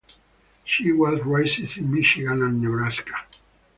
She was raised in Michigan and Nebraska.